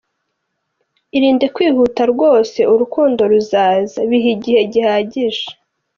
Irinde kwihuta rwose urukundo ruzaza, bihe igihe gihagije.